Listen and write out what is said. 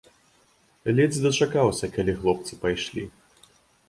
Ледзь дачакаўся, калі хлопцы пайшлі.